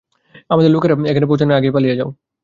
আমাদের লোকেরা এখানে পৌঁছানোর আগেই পালিয়ে যাও।